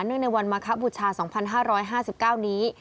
เนื่องในวันมะข้าวบุษชา๒๕๕๙นี้